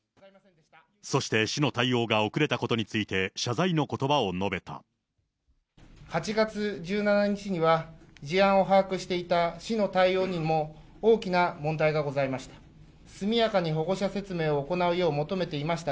そして市の対応が遅れたことについて、８月１７日には、事案を把握していた市の対応にも、大きな問題がございました。